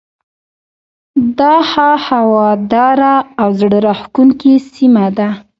دا ښه هواداره او زړه راکښونکې سیمه ده.